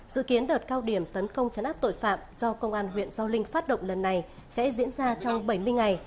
dự kiến đợt cao điểm tấn công chấn áp tội phạm do công an huyện gio linh phát động lần này sẽ diễn ra trong bảy mươi ngày